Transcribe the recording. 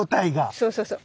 そうそうそう。